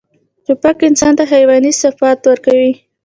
توپک انسان ته حیواني صفات ورکوي.